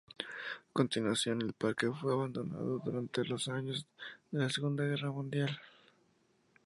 A continuación, el parque fue abandonado durante los años de la Segunda Guerra Mundial.